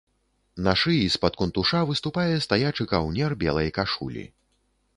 На шыі з-пад кунтуша выступае стаячы каўнер белай кашулі.